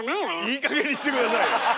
いいかげんにして下さいよ！